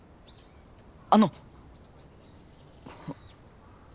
あの。